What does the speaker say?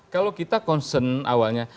kalau kita concern awalnya